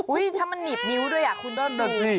อุ๊ยถ้ามันหนีบนิ้วด้วยอ่ะคุณ